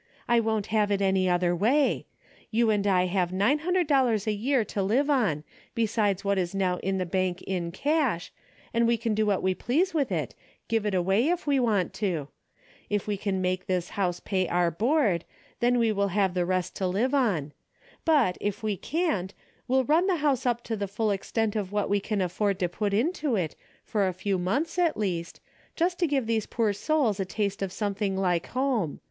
I won't have it any other way. You and I have nine hundred dollars a year to live on, besides what is now in the bank in cash, and we can do what we please with it, give it 178 A DAILY RATE:^ away if we want to. If we can make this house pay our board, then we will have the rest to live on. But if we can't, we'll run the house up to the full extent of what we can alford to put into it, for a few months at least, just to give these poor souls a taste of some thing like home.